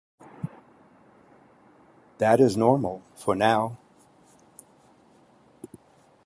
That is normal, for now.